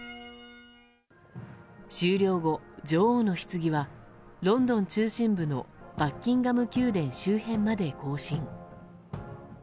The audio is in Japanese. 終了後、女王のひつぎはロンドン中心部のバッキンガム宮殿周辺まで行進。